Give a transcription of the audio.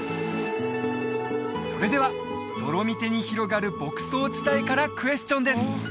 それではドロミテに広がる牧草地帯からクエスチョンです